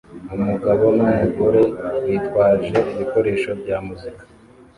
Umugabo numugore bitwaje ibikoresho bya muzika